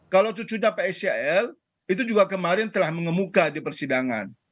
kalau cucunya pscl itu juga kemarin telah mengemuka di persidangan